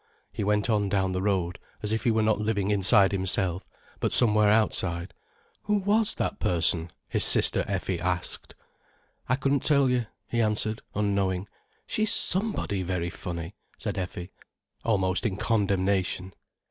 He went on down the road as if he were not living inside himself, but somewhere outside. "Who was that person?" his sister Effie asked. "I couldn't tell you," he answered unknowing. "She's somebody very funny," said Effie, almost in condemnation.